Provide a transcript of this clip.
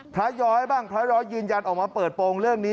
ย้อยบ้างพระย้อยยืนยันออกมาเปิดโปรงเรื่องนี้